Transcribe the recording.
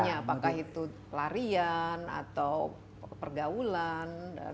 apakah itu larian atau pergaulan